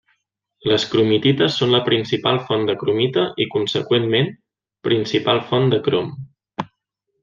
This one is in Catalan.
Les cromitites són la principal font de cromita i conseqüentment principal font de crom.